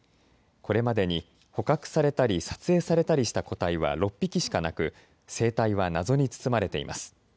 これまでに捕獲されたり撮影されたりした個体は６匹しかなく生態は謎に包まれています。